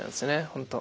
本当。